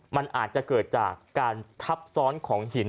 มันอาจจะเกิดจากการทับซ้อนของหิน